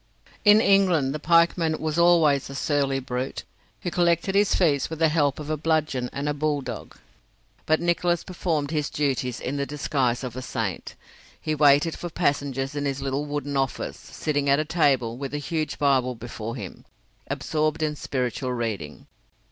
In England the pike man was always a surly brute, who collected his fees with the help of a bludgeon and a bulldog, but Nicholas performed his duties in the disguise of a saint. He waited for passengers in his little wooden office, sitting at a table, with a huge Bible before him, absorbed in spiritual reading.